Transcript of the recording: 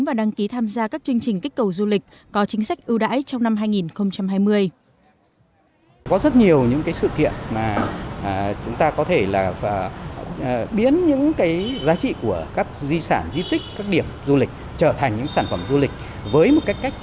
và đăng ký tham gia các chương trình kích cầu du lịch có chính sách ưu đãi trong năm hai nghìn hai mươi